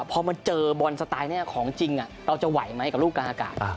พอมาเจอบอลสไตล์นี้ของจริงเราจะไหวไหมกับลูกกลางอากาศ